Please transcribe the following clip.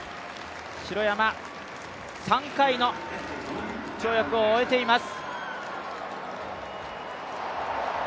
城山、３回の跳躍を終えています。